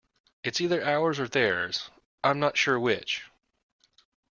It's either ours or theirs, I'm not sure which.